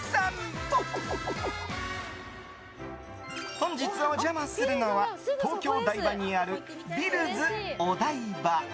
本日お邪魔するのは東京・台場にあるｂｉｌｌｓお台場。